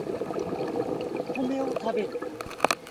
お米を食べる